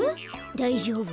だいじょうぶ。